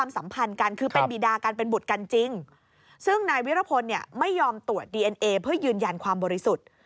ซึ่งนายวิรพลไม่ยอมตรวจดีเอ็นเอเพื่อยืนยันความบริสุทธิ์